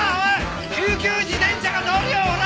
救急自転車が通るよほら！